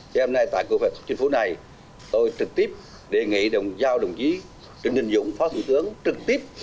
chờ hôm nay tại cửa phòng chính phủ này tôi trực tiếp đề nghị giao đồng chí trịnh hình dũng phó thủ tướng trực tiếp